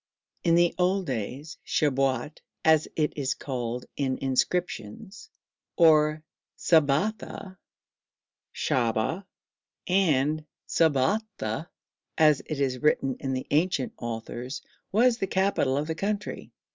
In old days Shabwat, as it is called in inscriptions, or Sabbatha, Shaba, and Sabota, as it is written in the ancient authors, was the capital of the country.